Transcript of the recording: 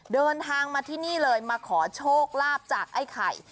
เดินทางมาที่นี่เลยมาขอโชคลาภจากไอ้ไข่